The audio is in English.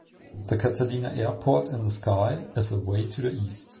The Catalina Airport-In-The-Sky is away to the east.